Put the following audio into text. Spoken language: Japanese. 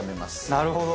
なるほど。